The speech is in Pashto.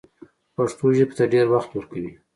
پښتو ژبې ته ډېر وخت ورکوي